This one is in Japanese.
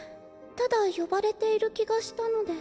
ただ呼ばれている気がしたので。